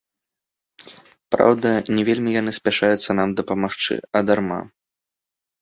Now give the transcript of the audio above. Праўда, не вельмі яны спяшаюцца нам дапамагчы, а дарма.